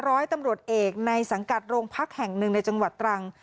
ร้อยตำรวจเอกในสังกัดโรงพักแห่งหนึ่งในจังหวัดตรัง